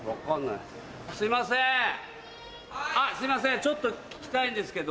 すいませんちょっと聞きたいんですけど。